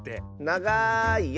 ながいよ。